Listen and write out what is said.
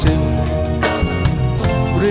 ยังเพราะความสำคัญ